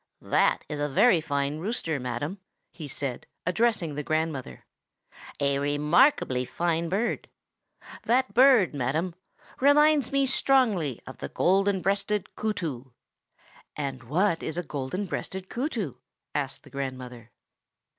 "That is a very fine rooster, madam!" he said, addressing the grandmother,—"a remarkably fine bird. That bird, madam, reminds me strongly of the Golden breasted Kootoo." "And what is the Golden breasted Kootoo?" asked the grandmother.